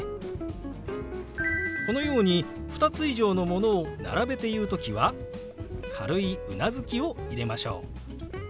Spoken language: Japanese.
このように２つ以上のものを並べて言う時は軽いうなずきを入れましょう。